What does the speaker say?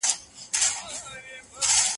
د توليد کيفيت د تخنيک د نشتوالي له امله ټيټ شو.